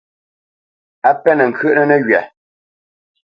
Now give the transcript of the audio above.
A pénə̄ ŋkyə́ʼnə́ nəghywa.